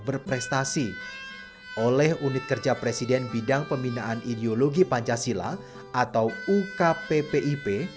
berprestasi oleh unit kerja presiden bidang pembinaan ideologi pancasila atau ukppip